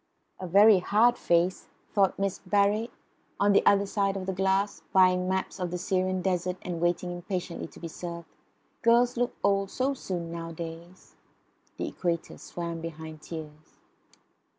"A very hard face," thought Miss Barrett, on the other side of the glass, buying maps of the Syrian desert and waiting impatiently to be served. "Girls look old so soon nowadays." The equator swam behind tears.